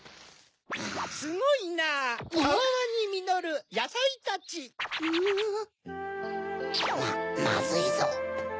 ・すごいなぁたわわにみのるやさいたち・まずいぞ。